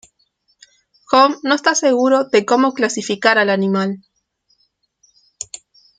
Home no estaba seguro de cómo clasificar el animal.